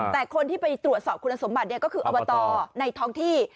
แต่คนที่ไปตรวจสอบคุณสมบัติก็คืออบตในท้องที่